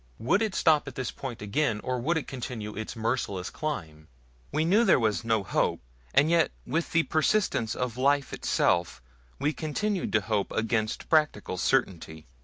Would it stop at this point again, or would it continue its merciless climb? We knew that there was no hope, and yet with the persistence of life itself we continued to hope against practical certainty.